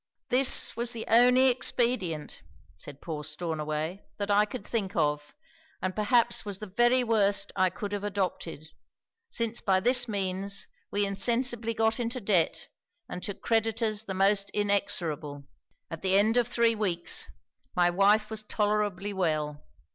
'"This was the only expedient," said poor Stornaway, "that I could think of, and perhaps was the very worst I could have adopted; since by this means we insensibly got into debt, and to creditors the most inexorable. '"At the end of three weeks, my wife was tolerably well.